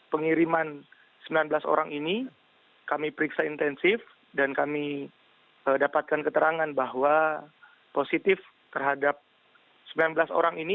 pengiriman sembilan belas orang ini kami periksa intensif dan kami dapatkan keterangan bahwa positif terhadap sembilan belas orang ini